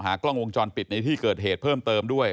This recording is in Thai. กล้องวงจรปิดในที่เกิดเหตุเพิ่มเติมด้วย